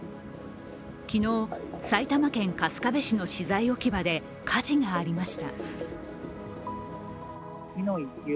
昨日、埼玉県春日部市の資材置き場で火事がありました。